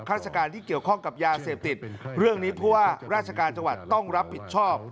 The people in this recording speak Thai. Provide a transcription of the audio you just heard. ราชการที่เกี่ยวข้องกับยาเสพติดเรื่องนี้ผู้ว่าราชการจังหวัดต้องรับผิดชอบ